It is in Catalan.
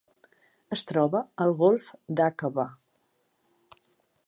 Es troba al Golf d'Aqaba.